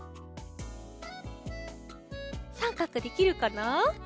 さんかくできるかな？